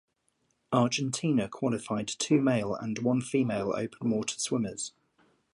Argentina qualified two male and one female open water swimmers.